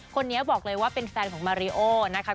คนนี้บอกเลยว่าเป็นแฟนของมาริโอนะคะ